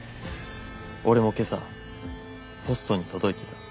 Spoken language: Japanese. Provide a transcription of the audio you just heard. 俺も今朝ポストに届いてた。